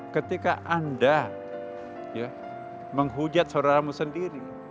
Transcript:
ketika anda menghujat saudaramu sendiri